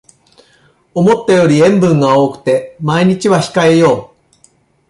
思ったより塩分が多くて毎日は控えよう